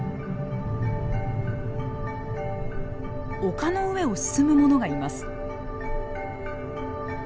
丘の上を進むものがいます。